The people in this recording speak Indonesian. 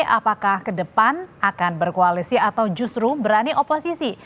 apakah ke depan akan berkoalisi atau justru berani oposisi